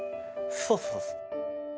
そうそうそう。